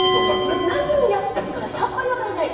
何をやってるかがさっぱり分からない。